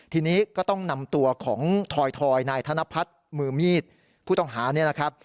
ทีนี้ก็ต้องนำตัวของถอยนายธนพัฒน์มือมีดผู้ต้องหา